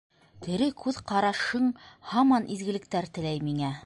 Тере күҙ ҡарашың һаман изгелектәр теләй миңә.